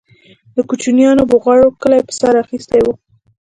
د كوچنيانو بوغارو كلى په سر اخيستى و.